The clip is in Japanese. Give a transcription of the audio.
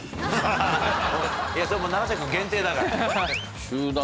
それはもう永瀬君限定だから。